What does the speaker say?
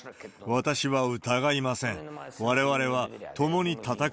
私は疑いません。